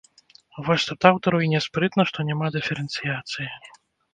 Вось тут аўтару й няспрытна, што няма дыферэнцыяцыі.